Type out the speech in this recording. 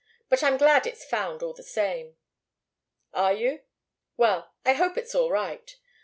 "But I'm glad it's found, all the same." "Are you? Well I hope it's all right.